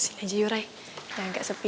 sini aja yu rai jangan agak sepi